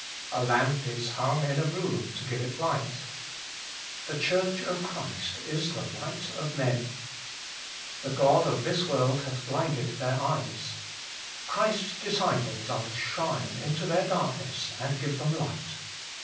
A lamp is hung in a room to give it light. The Church of Christ is the light of men. The God of this world hath blinded their eyes ; Christ's disciples are to shine into their darkness and give them light.